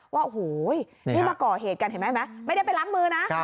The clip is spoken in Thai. ว่าโอ้โหนี่มาก่อเหตุกันเห็นไหมไหมไม่ได้ไปล้างมือนะ